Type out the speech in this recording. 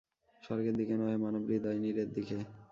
স্বর্গের দিকে নহে, মানবহৃদয়নীড়ের দিকে।